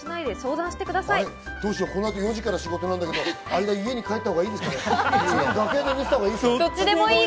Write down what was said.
この後４時から仕事なんだけど、家に帰ったほうがいいですかね？